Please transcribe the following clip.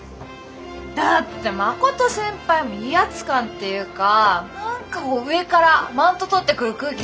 だって真琴先輩威圧感っていうか何か上からマウント取ってくる空気っていうか。